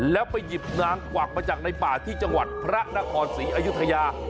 แล้วไปหยิบนางกวักมาจากในป่าที่จังหวัดพระนครศรีอยุธยา